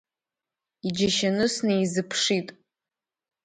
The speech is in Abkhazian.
Иџьашьаны снеизыԥшит.